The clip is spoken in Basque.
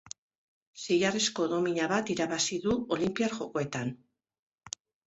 Zilarrezko domina bat irabazi du Olinpiar Jokoetan.